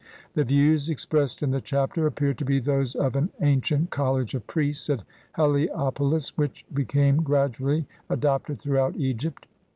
The views ex pressed in the Chapter appear to be those of the an cient College of Priests at Heliopolis which became gradually adopted throughout Egypt.